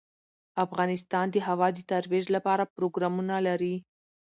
افغانستان د هوا د ترویج لپاره پروګرامونه لري.